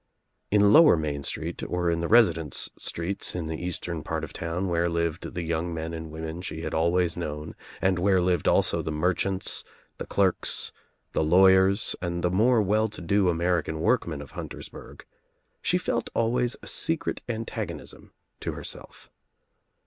In Lower Main Street or In the residence streets in the eastern part of town where lived the young men and women she had always known and where lived also the merchants, the clerks, the lawyers and the more well to do American workmen of Huntersburg, she felt always a secret an FLIGHTED LAMPS ^ tagonism to herself.